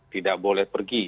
tidak boleh pergi